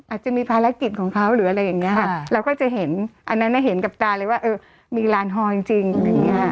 อาจจะมีภารกิจของเขาหรืออะไรอย่างนี้ค่ะเราก็จะเห็นอันนั้นเห็นกับตาเลยว่าเออมีลานฮอลจริงอะไรอย่างนี้ค่ะ